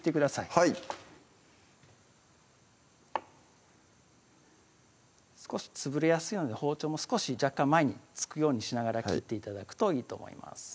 はい少し潰れやすいので包丁も少し若干前に突くようにしながら切って頂くといいと思います